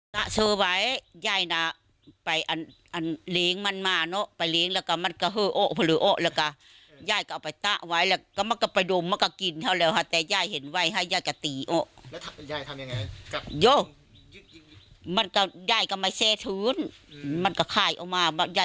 ดึงจับปละมาเลยหล่ะ